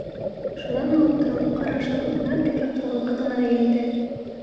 - Шунан ул аптыраулы ҡарашын үҙенә текәп торған ҡыҙына эйелде.